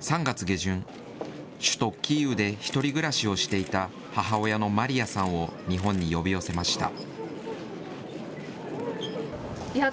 ３月下旬、首都キーウで１人暮らしをしていた母親のマリヤさんを日本に呼び寄せました。